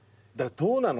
どうなの？